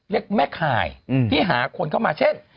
เรียกแม่ข่ายที่หาคนเข้ามาเช่น